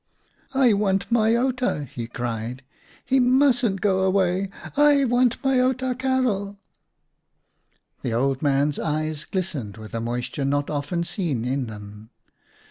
" I want my Outa," he cried. "He mustn't go away. I want my Outa Karel !" The old man's eyes glistened with a moisture not often seen in them.